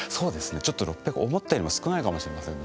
ちょっと６００思ったよりも少ないかもしれませんね。